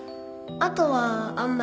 あとはあんまり